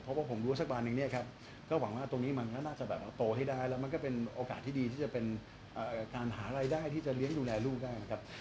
เพราะว่าผมรู้ว่าสักวันหนึ่งเนี่ยครับก็หวังว่าตรงนี้มันก็น่าจะแบบโตให้ได้แล้วมันก็เป็นโอกาสที่ดีที่จะเป็นการหารายได้ที่จะเลี้ยงดูแลลูกได้นะครับ